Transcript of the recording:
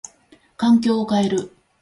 環境を変える。